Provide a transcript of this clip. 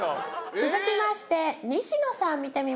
続きまして西野さん見てみましょうか。